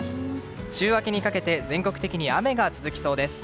週明けにかけて全国的に雨が続きそうです。